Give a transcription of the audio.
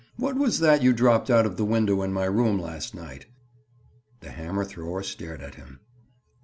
"What was that you dropped out of the window in my room last night?" The hammer thrower stared at him.